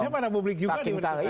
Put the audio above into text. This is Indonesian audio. harusnya pada publik juga diperhatikan